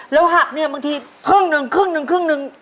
แล้วหักเนี่ยบางทีครึ่งหนึ่งครึ่งหนึ่งครึ่งหนึ่ง